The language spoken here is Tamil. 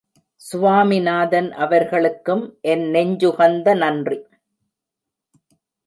சுவாமிநாதன் அவர்களுக்கும் என் நெஞ்சுகந்த நன்றி.